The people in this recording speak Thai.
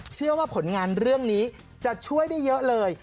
ผลงานเรื่องนี้จะช่วยได้เยอะเลย